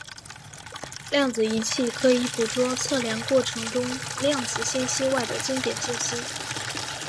量子仪器可以捕捉测量过程中量子信息外的经典信息。